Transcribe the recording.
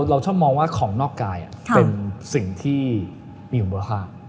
เราชอบมองว่าของนอกกายเป็นสิ่งที่มีคุณภาพ